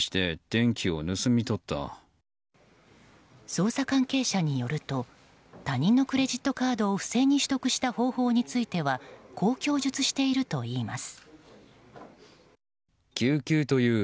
捜査関係者によると他人のクレジットカードを不正に取得した方法についてはこう供述しているといいます。